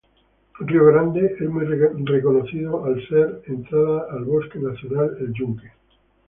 Río Grande es muy reconocido al ser entrada al Bosque Nacional El Yunque.